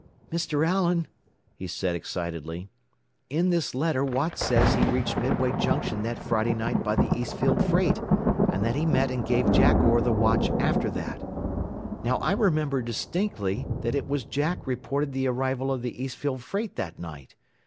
"Mr. Allen," he said excitedly, "in this letter Watts says he reached Midway Junction that Friday night by the Eastfield freight, and that he met and gave Jack Orr the watch after that. "Now I remember distinctly that it was Jack reported the arrival of the Eastfield freight that night.